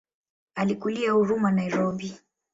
Alikulia Huruma Nairobi.